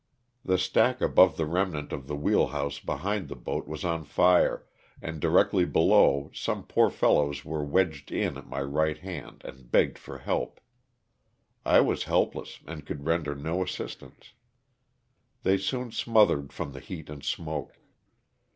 The stack above the remnaut of the wheel house behind the boat was on fire, and. directly below some poor fellows were wedged in at my right hand and begged for help. I was helpless and could render no assistance. They soon smothered from the heat and smoke.